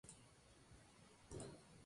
Arquette estuvo allí para responder preguntas.